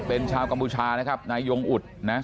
เป็นชาวกัมพูชานะครับนายยงอุดนะ